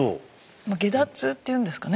まあ解脱って言うんですかね